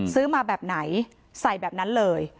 ซื้อมาแบบไหนใส่แบบนั้นเลย